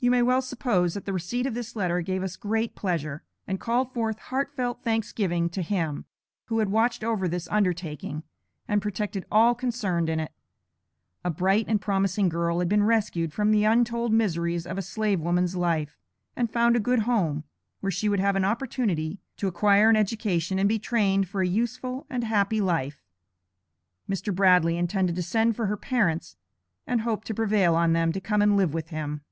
You may well suppose that the receipt of this letter gave us great pleasure, and called forth heartfelt thanksgiving to Him, who had watched over this undertaking, and protected all concerned in it. A bright and promising girl had been rescued from the untold miseries of a slave woman's life, and found a good home, where she would have an opportunity to acquire an education and be trained for a useful and happy life. Mr. Bradley intended to send for her parents, and hoped to prevail on them to come and live with him.